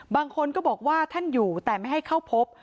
บางคนก็บอกว่าท่านอยู่แต่ไม่ให้เข้าพบ